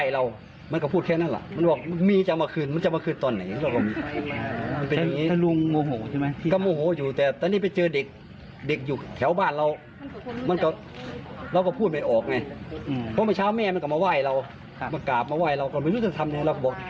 รู้สึกธรรมในระบบ